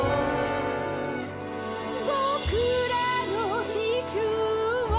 「ぼくらの地球は」